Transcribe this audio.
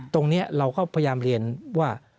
ตรงนี้เราก็พยายามเรียนว่า